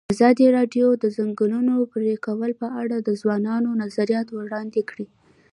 ازادي راډیو د د ځنګلونو پرېکول په اړه د ځوانانو نظریات وړاندې کړي.